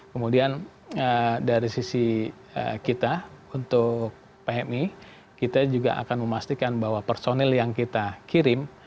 kemudian dari sisi kita untuk pmi kita juga akan memastikan bahwa personil yang kita kirim